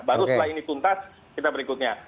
baru setelah ini tuntas kita berikutnya